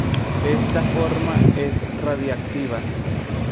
Esta forma es radiactiva.